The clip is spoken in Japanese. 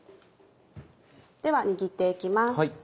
では握って行きます。